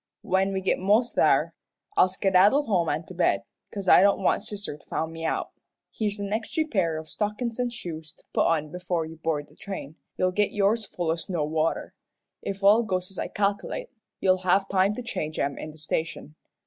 When we git mos' there, I'll skedaddle home an' to bed, 'cause I don't want sister to find me out. Here's an extry pair o' stockin's an' shoes to put on before you board the train. You'll git yours full o' snow water. If all goes as I calc'late, you'll have time to change 'em in the station.